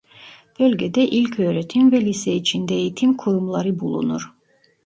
Bölgede ilköğretim ve lise içinde eğitim kurumları bulunur.